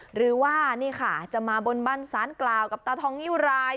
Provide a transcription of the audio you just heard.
หรือว่านี่ค่ะจะมาบนบันสารกล่าวกับตาทองนิ้วราย